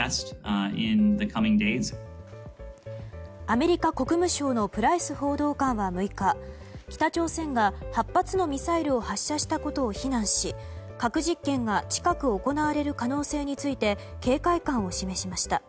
アメリカ国務省のプライス報道官は６日北朝鮮が８発のミサイルを発射したことを非難し核実験が近く行われる可能性について警戒感を示しました。